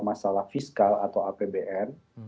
masalah fiskal atau apbn